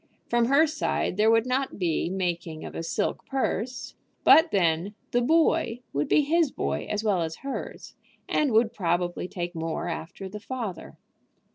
From her side there would not be making of a silk purse; but then "the boy" would be his boy as well as hers, and would probably take more after the father.